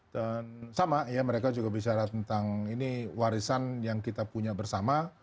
dan sama ya mereka juga bicara tentang ini warisan yang kita punya bersama